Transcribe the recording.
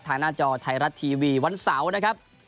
หน้าจอไทยรัฐทีวีวันเสาร์นะครับ